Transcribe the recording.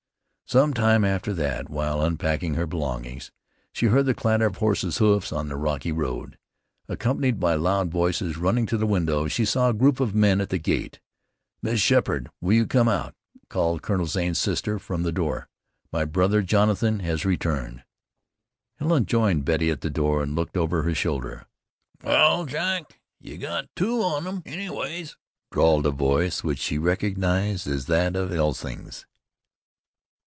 Some time after that, while unpacking her belongings, she heard the clatter of horses' hoofs on the rocky road, accompanied by loud voices. Running to the window, she saw a group of men at the gate. "Miss Sheppard, will you come out?" called Colonel Zane's sister from the door. "My brother Jonathan has returned." Helen joined Betty at the door, and looked over her shoulder. "Wal, Jack, ye got two on 'em, anyways," drawled a voice which she recognized as that of Elsing's.